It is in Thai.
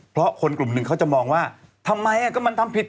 เพราะคนกลุ่มหนึ่งเขาจะมองว่าทำไมก็มันทำผิด